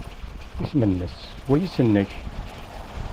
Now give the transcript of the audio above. Isem-nnes wayis-nnek?